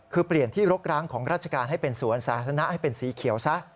คือเปลี่ยนที่รกร้างของราชการให้เป็นสวนสาธารณะให้เป็นสีเขียวซะ